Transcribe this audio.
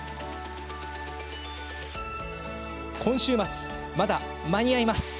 今週末、まだ間に合います。